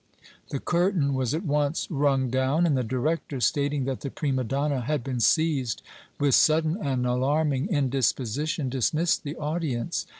The curtain was at once rung down, and the director, stating that the prima donna had been seized with sudden and alarming indisposition, dismissed the audience.